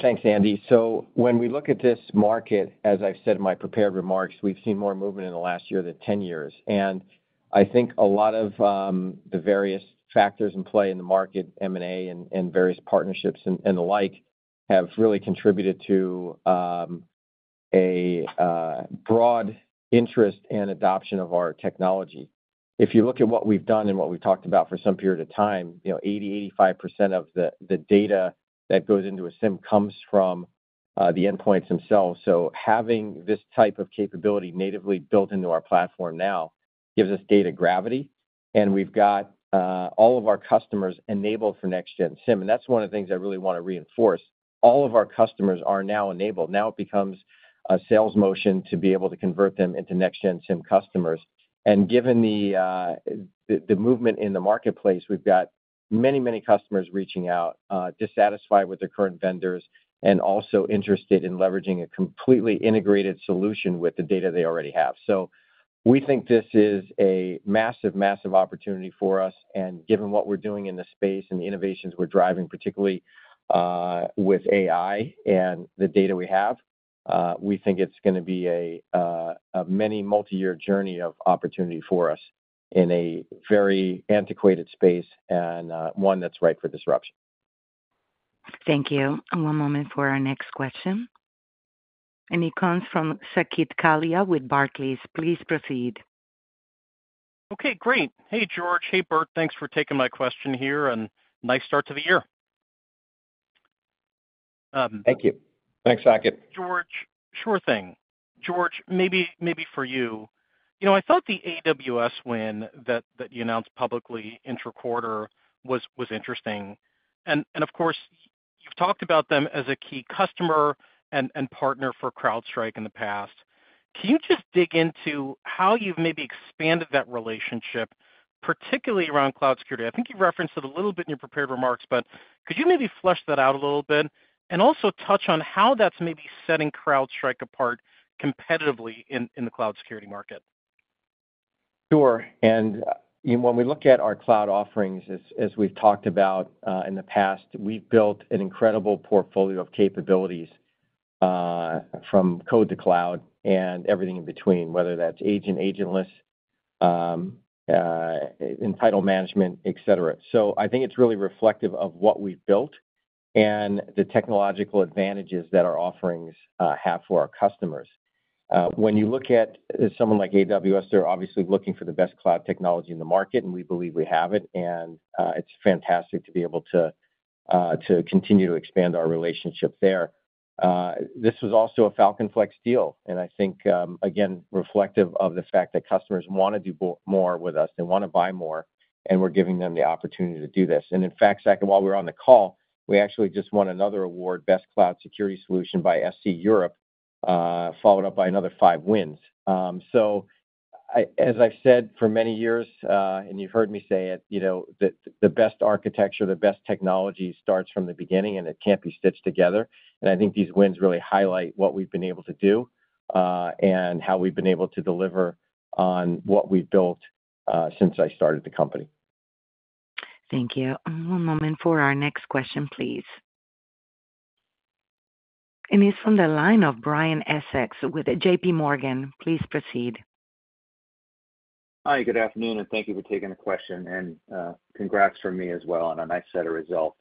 Thanks, Andy. So when we look at this market, as I've said in my prepared remarks, we've seen more movement in the last year than 10 years, and I think a lot of the various factors in play in the market, M&A and various partnerships and the like, have really contributed to a broad interest and adoption of our technology. If you look at what we've done and what we've talked about for some period of time, you know, 80%-85% of the data that goes into a SIEM comes from the endpoints themselves. So having this type of capability natively built into our platform now gives us data gravity, and we've got all of our customers enabled for next-gen SIEM, and that's one of the things I really want to reinforce. All of our customers are now enabled. Now it becomes a sales motion to be able to convert them into next-gen SIEM customers. And given the movement in the marketplace, we've got. Many, many customers reaching out, dissatisfied with their current vendors and also interested in leveraging a completely integrated solution with the data they already have. So we think this is a massive, massive opportunity for us, and given what we're doing in the space and the innovations we're driving, particularly, with AI and the data we have, we think it's going to be a, a many multi-year journey of opportunity for us in a very antiquated space and, one that's ripe for disruption. Thank you. One moment for our next question, and it comes from Saket Kalia with Barclays. Please proceed. Okay, great. Hey, George. Hey, Burt. Thanks for taking my question here, and nice start to the year. Thank you. Thanks, Saket. George, sure thing. George, maybe for you. You know, I thought the AWS win that you announced publicly in the quarter was interesting. And of course, you've talked about them as a key customer and partner for CrowdStrike in the past. Can you just dig into how you've maybe expanded that relationship, particularly around cloud security? I think you referenced it a little bit in your prepared remarks, but could you maybe flesh that out a little bit and also touch on how that's maybe setting CrowdStrike apart competitively in the cloud security market? Sure. And when we look at our cloud offerings, as we've talked about in the past, we've built an incredible portfolio of capabilities from code to cloud and everything in between, whether that's agent, agentless, entitlement management, et cetera. So I think it's really reflective of what we've built and the technological advantages that our offerings have for our customers. When you look at someone like AWS, they're obviously looking for the best cloud technology in the market, and we believe we have it, and it's fantastic to be able to continue to expand our relationship there. This was also a Falcon Flex deal, and I think again, reflective of the fact that customers want to do more with us, they want to buy more, and we're giving them the opportunity to do this. In fact, Saket, while we're on the call, we actually just won another award, Best Cloud Security Solution by SC Europe, followed up by another five wins. So, as I've said for many years, and you've heard me say it, you know, that the best architecture, the best technology starts from the beginning, and it can't be stitched together. And I think these wins really highlight what we've been able to do, and how we've been able to deliver on what we've built, since I started the company. Thank you. One moment for our next question, please. And it's from the line of Brian Essex with JPMorgan. Please proceed. Hi, good afternoon, and thank you for taking the question, and congrats from me as well on a nice set of results.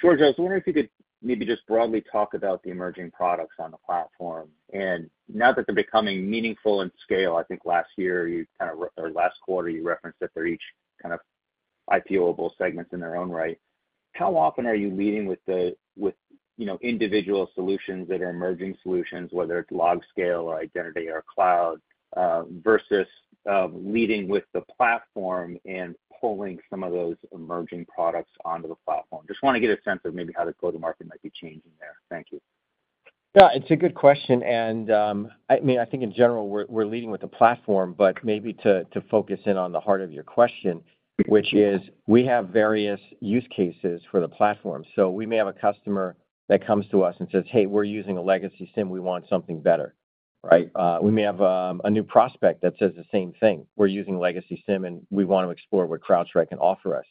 George, I was wondering if you could maybe just broadly talk about the emerging products on the platform. And now that they're becoming meaningful in scale, I think last year, you kind of or last quarter, you referenced that they're each kind of IPO able segments in their own right. How often are you leading with with, you know, individual solutions that are emerging solutions, whether it's log scale or identity or cloud versus leading with the platform and pulling some of those emerging products onto the platform? Just want to get a sense of maybe how the go-to-market might be changing there. Thank you. Yeah, it's a good question, and, I mean, I think in general, we're leading with the platform, but maybe to focus in on the heart of your question, which is we have various use cases for the platform. So we may have a customer that comes to us and says, "Hey, we're using a legacy SIEM, we want something better," right? We may have a new prospect that says the same thing. We're using legacy SIEM, and we want to explore what CrowdStrike can offer us.".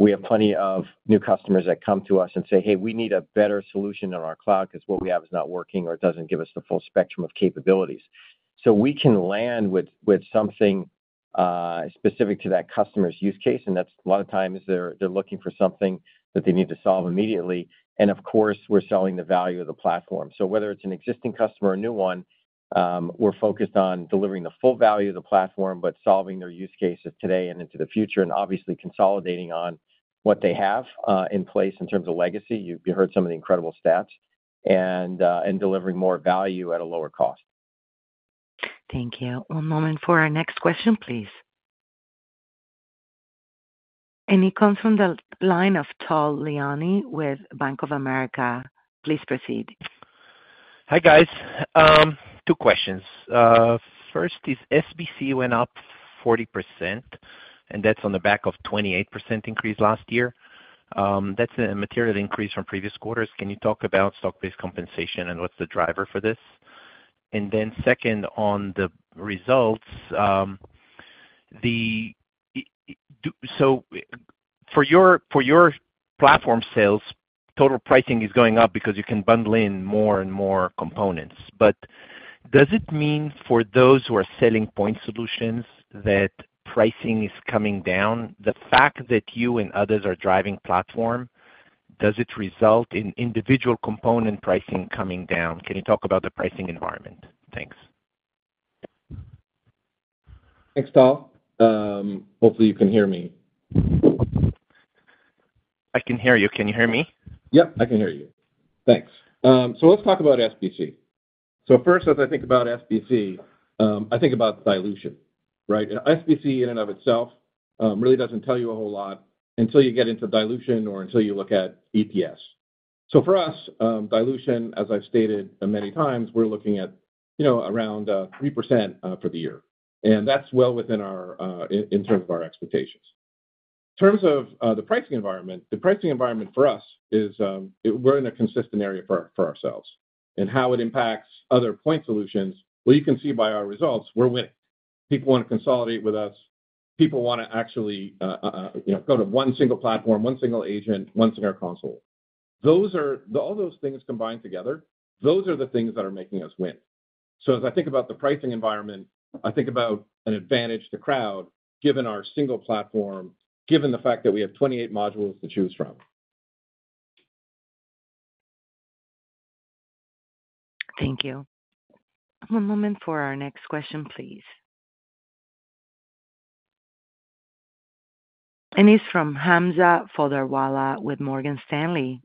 We have plenty of new customers that come to us and say, "Hey, we need a better solution on our cloud because what we have is not working or it doesn't give us the full spectrum of capabilities." So we can land with something specific to that customer's use case, and that's a lot of times they're looking for something that they need to solve immediately, and of course, we're selling the value of the platform. So whether it's an existing customer or a new one, we're focused on delivering the full value of the platform, but solving their use cases today and into the future, and obviously consolidating on what they have in place in terms of legacy. You've heard some of the incredible stats and delivering more value at a lower cost. Thank you. One moment for our next question, please. It comes from the line of Tal Liani with Bank of America. Please proceed. Hi, guys. Two questions. First is SBC went up 40%, and that's on the back of 28% increase last year. That's a material increase from previous quarters. Can you talk about stock-based compensation, and what's the driver for this? And then second, on the results, so for your, for your platform sales, total pricing is going up because you can bundle in more and more components. But does it mean for those who are selling point solutions, that pricing is coming down? The fact that you and others are driving platform, does it result in individual component pricing coming down? Can you talk about the pricing environment? Thanks. Thanks, Tal. Hopefully you can hear me. I can hear you. Can you hear me? Yep, I can hear you. Thanks. Let's talk about SBC. First, as I think about SBC, I think about dilution, right? And SBC in and of itself, really doesn't tell you a whole lot until you get into dilution or until you look at EPS. So for us, dilution, as I've stated many times, we're looking at, you know, around 3%, for the year, and that's well within our, in, in terms of our expectations. In terms of the pricing environment, the pricing environment for us is, we're in a consistent area for, for ourselves. And how it impacts other point solutions, well, you can see by our results, we're winning. People want to consolidate with us. People wanna actually, you know, go to one single platform, one single agent, one single console. Those are all those things combined together, those are the things that are making us win. So as I think about the pricing environment, I think about an advantage to Crowd, given our single platform, given the fact that we have 28 modules to choose from. Thank you. One moment for our next question, please. It's from Hamza Fodderwala with Morgan Stanley.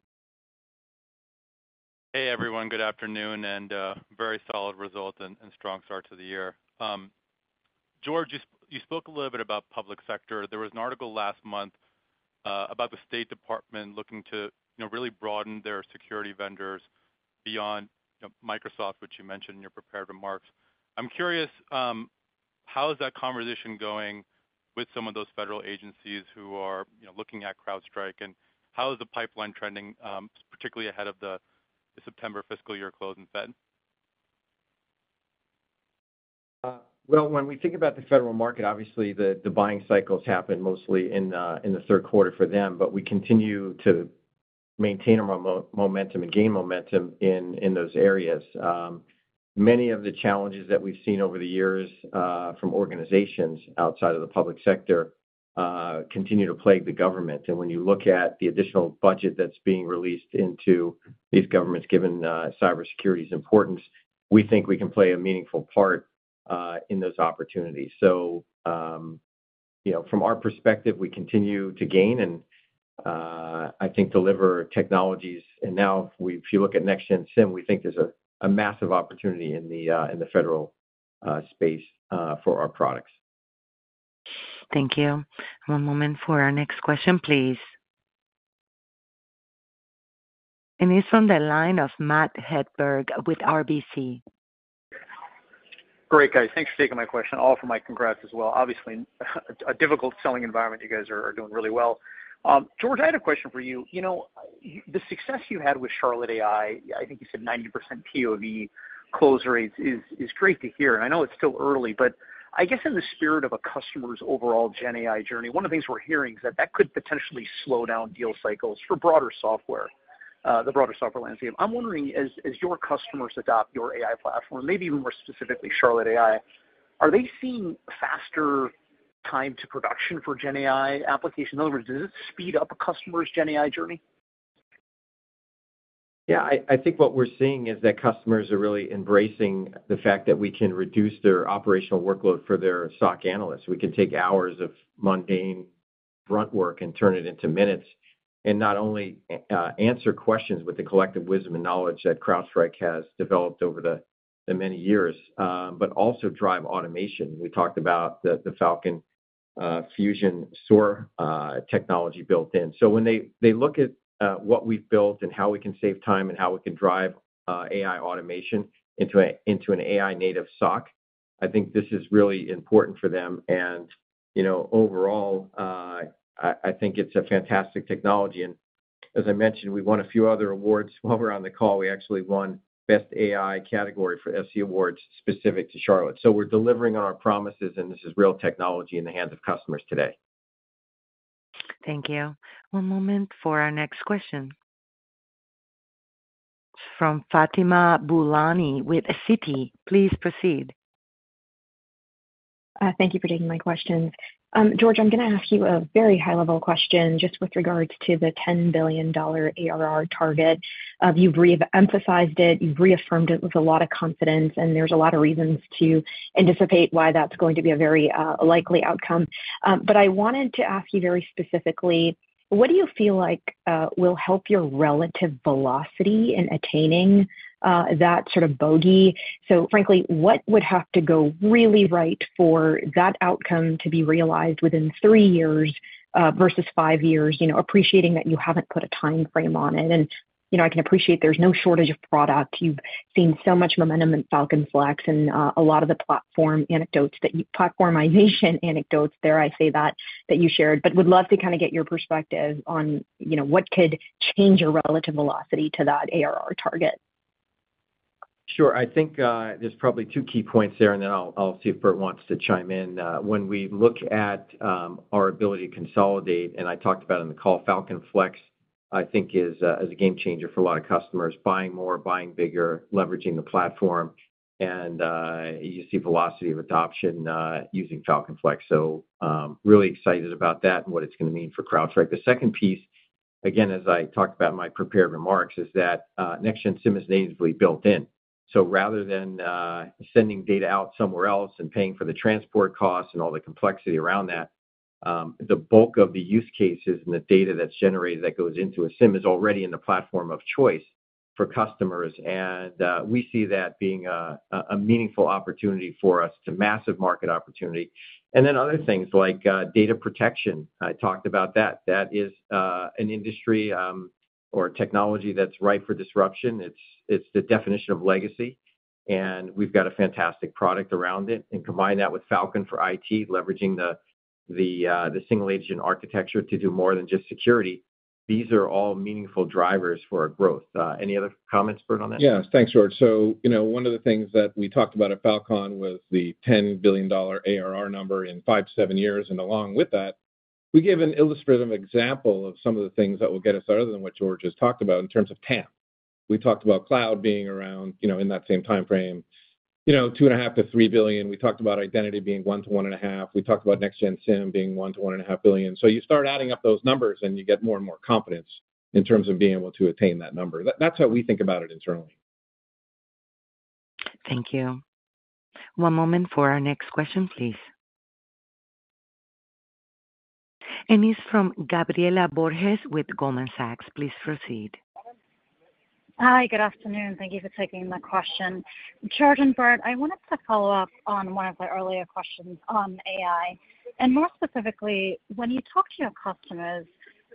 Hey, everyone. Good afternoon, and very solid results and strong start to the year. George, you spoke a little bit about public sector. There was an article last month about the State Department looking to, you know, really broaden their security vendors beyond, you know, Microsoft, which you mentioned in your prepared remarks. I'm curious, how is that conversation going with some of those federal agencies who are, you know, looking at CrowdStrike, and how is the pipeline trending, particularly ahead of the September fiscal year close in Fed? Well, when we think about the federal market, obviously the buying cycles happen mostly in the third quarter for them, but we continue to maintain our momentum and gain momentum in those areas. Many of the challenges that we've seen over the years from organizations outside of the public sector continue to plague the government. And when you look at the additional budget that's being released into these governments, given cybersecurity's importance, we think we can play a meaningful part in those opportunities. So, you know, from our perspective, we continue to gain and I think deliver technologies. And now if you look at next-gen SIEM, we think there's a massive opportunity in the federal space for our products. Thank you. One moment for our next question, please. It's from the line of Matt Hedberg with RBC. Great, guys. Thanks for taking my question. Also, my congrats as well. Obviously, a difficult selling environment, you guys are doing really well. George, I had a question for you. You know, the success you had with Charlotte AI, I think you said 90% POV close rates is great to hear, and I know it's still early, but I guess in the spirit of a customer's overall GenAI journey, one of the things we're hearing is that that could potentially slow down deal cycles for broader software, the broader software landscape. I'm wondering, as your customers adopt your AI platform, maybe even more specifically, Charlotte AI, are they seeing faster time to production for GenAI application? In other words, does it speed up a customer's GenAI journey? Yeah, I think what we're seeing is that customers are really embracing the fact that we can reduce their operational workload for their SOC analysts. We can take hours of mundane grunt work and turn it into minutes, and not only answer questions with the collective wisdom and knowledge that CrowdStrike has developed over the many years, but also drive automation. We talked about the Falcon Fusion SOAR technology built in. So when they look at what we've built and how we can save time and how we can drive AI automation into an AI-native SOC, I think this is really important for them. And, you know, overall, I think it's a fantastic technology, and as I mentioned, we won a few other awards. While we're on the call, we actually won best AI category for SC Awards, specific to Charlotte. So we're delivering on our promises, and this is real technology in the hands of customers today. Thank you. One moment for our next question. From Fatima Boolani with Citi. Please proceed. Thank you for taking my questions. George, I'm gonna ask you a very high-level question just with regards to the $10 billion ARR target. You've re-emphasized it, you've reaffirmed it with a lot of confidence, and there's a lot of reasons to anticipate why that's going to be a very likely outcome. But I wanted to ask you very specifically, what do you feel like will help your relative velocity in attaining that sort of bogey? So frankly, what would have to go really right for that outcome to be realized within 3 years versus 5 years? You know, appreciating that you haven't put a time frame on it. You know, I can appreciate there's no shortage of product. You've seen so much momentum in Falcon Flex and a lot of the platform anecdotes that you. Platformization anecdotes there, I say that, that you shared, but would love to kind of get your perspective on, you know, what could change your relative velocity to that ARR target. Sure. I think, there's probably two key points there, and then I'll see if Burt wants to chime in. When we look at, our ability to consolidate, and I talked about in the call, Falcon Flex, I think is a game changer for a lot of customers. Buying more, buying bigger, leveraging the platform, and, you see velocity of adoption, using Falcon Flex. So, really excited about that and what it's gonna mean for CrowdStrike. The second piece, again, as I talked about in my prepared remarks, is that, next-gen SIEM is natively built in. So rather than, sending data out somewhere else and paying for the transport costs and all the complexity around that, the bulk of the use cases and the data that's generated that goes into a SIEM is already in the platform of choice. for customers, and we see that being a meaningful opportunity for us. It's a massive market opportunity. And then other things like data protection. I talked about that. That is an industry or technology that's ripe for disruption. It's the definition of legacy, and we've got a fantastic product around it. And combine that with Falcon for IT, leveraging the single agent architecture to do more than just security. These are all meaningful drivers for our growth. Any other comments, Burt, on that? Yes. Thanks, George. So, you know, one of the things that we talked about at Falcon was the $10 billion ARR number in 5-7 years, and along with that, we gave an illustrative example of some of the things that will get us there, other than what George just talked about in terms of PAM. We talked about cloud being around, you know, in that same time frame, you know, $2.5 billion-$3 billion. We talked about identity being $1 billion-$1.5 billion. We talked about next-gen SIEM being $1 billion-$1.5 billion. So you start adding up those numbers, and you get more and more confidence in terms of being able to attain that number. That's how we think about it internally. Thank you. One moment for our next question, please. It's from Gabriela Borges with Goldman Sachs. Please proceed. Hi, good afternoon. Thank you for taking my question. George and Burt, I wanted to follow up on one of the earlier questions on AI, and more specifically, when you talk to your customers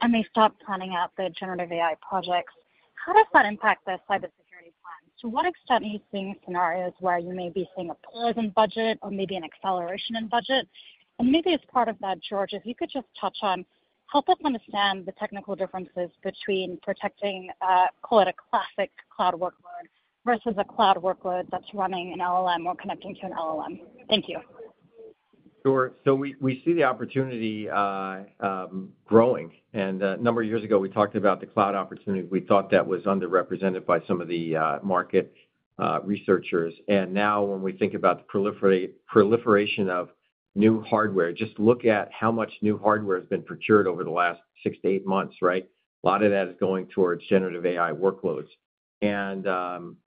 and they start planning out their generative AI projects, how does that impact their cybersecurity plan? To what extent are you seeing scenarios where you may be seeing a pause in budget or maybe an acceleration in budget? And maybe as part of that, George, if you could just touch on, help us understand the technical differences between protecting, call it a classic cloud workload versus a cloud workload that's running an LLM or connecting to an LLM. Thank you. Sure. So we see the opportunity growing, and a number of years ago, we talked about the cloud opportunity. We thought that was underrepresented by some of the market researchers. And now when we think about the proliferation of new hardware, just look at how much new hardware has been procured over the last six-eight months, right? A lot of that is going towards generative AI workloads. And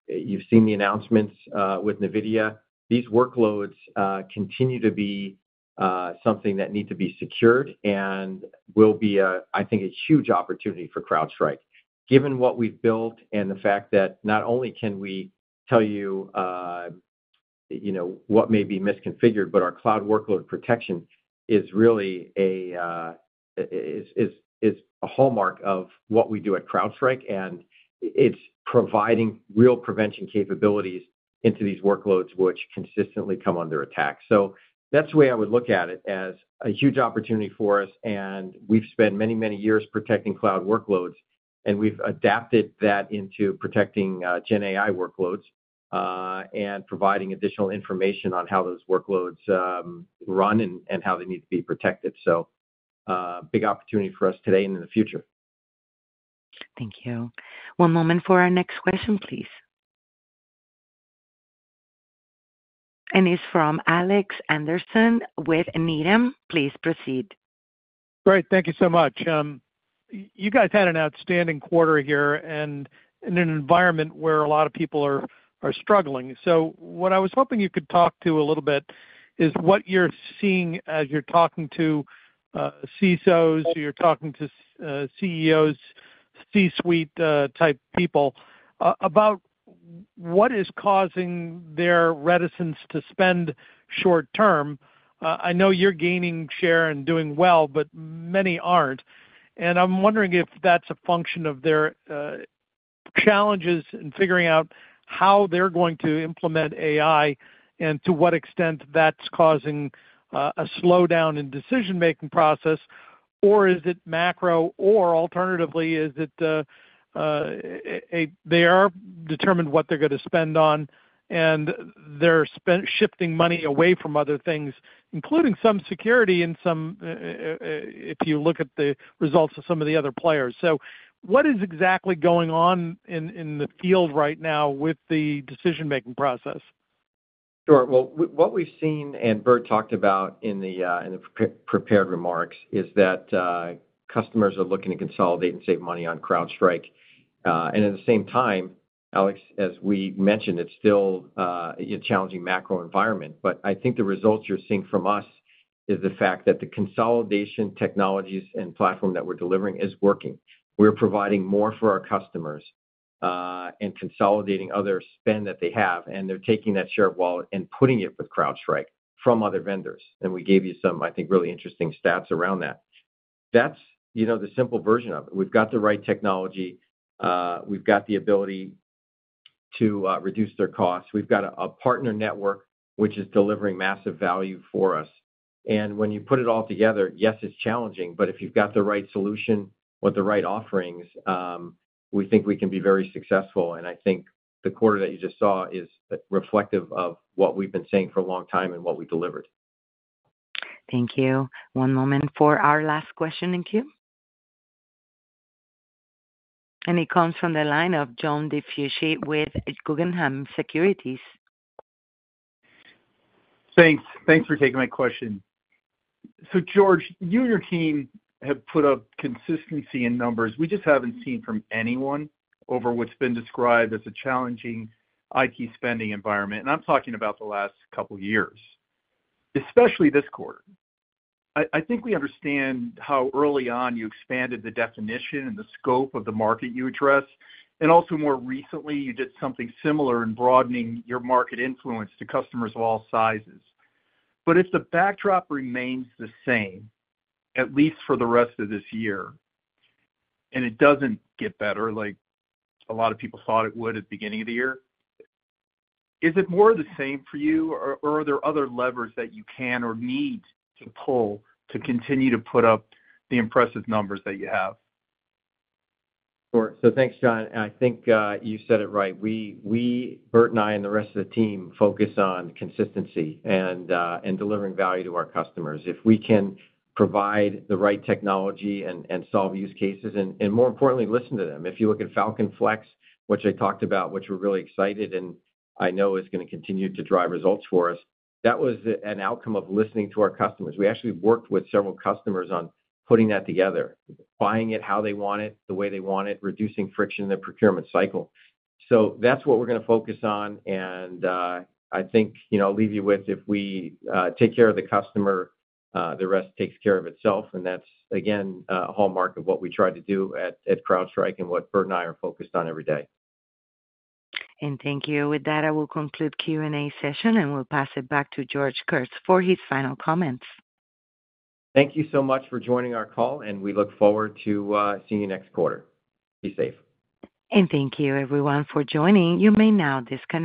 you've seen the announcements with NVIDIA. These workloads continue to be something that need to be secured and will be a, I think, a huge opportunity for CrowdStrike. Given what we've built and the fact that not only can we tell you, you know, what may be misconfigured, but our cloud workload protection is really a hallmark of what we do at CrowdStrike, and it's providing real prevention capabilities into these workloads, which consistently come under attack. So that's the way I would look at it, as a huge opportunity for us, and we've spent many, many years protecting cloud workloads, and we've adapted that into protecting GenAI workloads, and providing additional information on how those workloads run and how they need to be protected. So, big opportunity for us today and in the future. Thank you. One moment for our next question, please. It's from Alex Henderson with Needham. Please proceed. Great, thank you so much. You guys had an outstanding quarter here and in an environment where a lot of people are struggling. So what I was hoping you could talk to a little bit is what you're seeing as you're talking to CISOs, you're talking to CEOs, C-suite type people, about what is causing their reticence to spend short term. I know you're gaining share and doing well, but many aren't, and I'm wondering if that's a function of their challenges in figuring out how they're going to implement AI and to what extent that's causing a slowdown in decision-making process, or is it macro, or alternatively, is it they are determined what they're gonna spend on, and they're spent shifting money away from other things, including some security and some if you look at the results of some of the other players. So what is exactly going on in the field right now with the decision-making process? Sure. Well, what we've seen and Burt talked about in the pre-prepared remarks, is that customers are looking to consolidate and save money on CrowdStrike. And at the same time, Alex, as we mentioned, it's still a challenging macro environment, but I think the results you're seeing from us is the fact that the consolidation technologies and platform that we're delivering is working. We're providing more for our customers and consolidating other spend that they have, and they're taking that share of wallet and putting it with CrowdStrike from other vendors. And we gave you some, I think, really interesting stats around that. That's, you know, the simple version of it. We've got the right technology, we've got the ability to reduce their costs. We've got a partner network which is delivering massive value for us. When you put it all together, yes, it's challenging, but if you've got the right solution or the right offerings, we think we can be very successful, and I think the quarter that you just saw is reflective of what we've been saying for a long time and what we delivered. Thank you. One moment for our last question in queue. It comes from the line of John DiFucci with Guggenheim Securities. Thanks. Thanks for taking my question. So George, you and your team have put up consistency in numbers we just haven't seen from anyone over what's been described as a challenging IT spending environment, and I'm talking about the last couple of years, especially this quarter. I think we understand how early on you expanded the definition and the scope of the market you address, and also more recently, you did something similar in broadening your market influence to customers of all sizes. But if the backdrop remains the same, at least for the rest of this year, and it doesn't get better, like a lot of people thought it would at the beginning of the year, is it more of the same for you, or are there other levers that you can or need to pull to continue to put up the impressive numbers that you have? Sure. So thanks, John, and I think, you said it right. We, we, Burt and I and the rest of the team, focus on consistency and, and delivering value to our customers. If we can provide the right technology and, and solve use cases and, and more importantly, listen to them. If you look at Falcon Flex, which I talked about, which we're really excited, and I know is gonna continue to drive results for us, that was an outcome of listening to our customers. We actually worked with several customers on putting that together, buying it how they want it, the way they want it, reducing friction in the procurement cycle. So that's what we're gonna focus on, and, I think, you know, I'll leave you with, if we take care of the customer, the rest takes care of itself, and that's, again, a hallmark of what we try to do at CrowdStrike and what Burt and I are focused on every day. Thank you. With that, I will conclude Q&A session, and we'll pass it back to George Kurtz for his final comments. Thank you so much for joining our call, and we look forward to seeing you next quarter. Be safe. Thank you, everyone, for joining. You may now disconnect.